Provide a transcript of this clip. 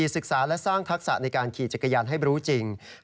ศึกษาและสร้างทักษะในการขี่จักรยานให้รู้จริง